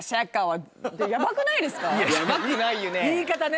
ヤバくないよね。